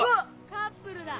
カップルだ。